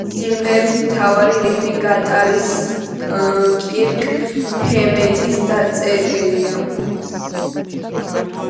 სიმღერის მთავარი რიფი გიტარისტ კირკ ჰემეტის დაწერილია.